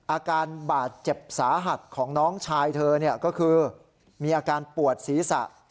อาการบาดเจ็บสาหัสของน้องชายเธอก็คือมีอาการปวดศีรษะ